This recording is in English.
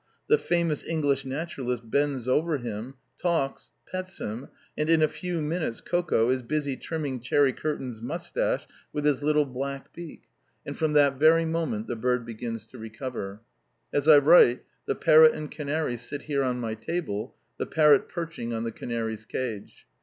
The famous English naturalist bends over him, talks, pets him, and in a few minutes "Coco" is busy trimming Cherry Kearton's moustache with his little black beak, and from that very moment the bird begins to recover. As I write the parrot and canary sit here on my table, the parrot perching on the canary's cage.